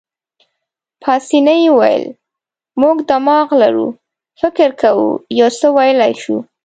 پاسیني وویل: موږ دماغ لرو، فکر کوو، یو څه ویلای شو.